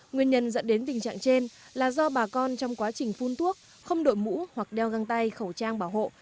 nguyên nhân dẫn đến tình trạng trên là do bà con trong quá trình phun thuốc không đội mũ hoặc đeo găng tay khẩu trang bảo hộ